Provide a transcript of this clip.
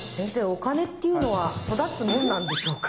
お金っていうのはそだつもんなんでしょうか？